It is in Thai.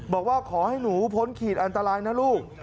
บอกว่าขอให้หนูพ้นขีดอันตรายนะลูก